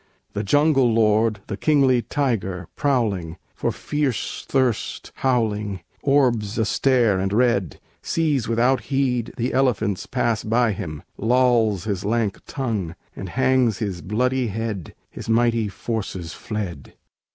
The jungle lord, the kingly tiger, prowling, For fierce thirst howling, orbs a stare and red, Sees without heed the elephants pass by him, Lolls his lank tongue, and hangs his bloody head, His mighty forces fled.